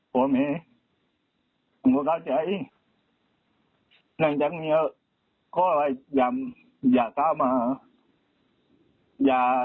ตอนที่อยู่กันก็กลัวลูกมีความสุข